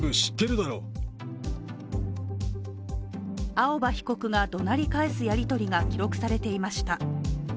青葉被告がどなり返すやり取りが記録されていました。